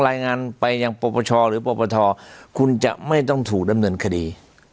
รายงานไปยังปรปชหรือปปทคุณจะไม่ต้องถูกดำเนินคดี